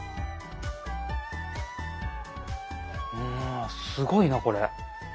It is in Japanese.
うわすごいなこれ。